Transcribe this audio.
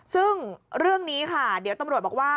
ซึ่งเรื่องนี้ค่ะเดี๋ยวตำรวจบอกว่า